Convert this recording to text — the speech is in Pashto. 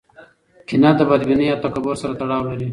کینه د بدبینۍ او تکبر سره تړاو لري.